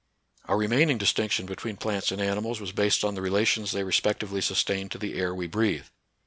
A remaining distinction between plants and animals was based on the relations they respec tively sustain to the air we breathe.